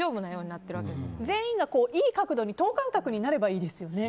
全員がいい角度に等間隔になったらいいですよね。